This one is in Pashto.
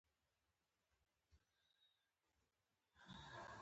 چـې نـوره ګـټـه وكړي.